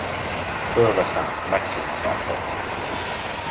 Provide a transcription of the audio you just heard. Fölveszem, megcsónakáztatjuk.